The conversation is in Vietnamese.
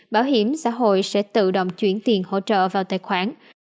bảo hiểm xã hội sẽ tự động chuyển tiền hỗ trợ vào tài khoản